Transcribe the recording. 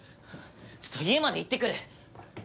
ちょっと家まで行ってくる！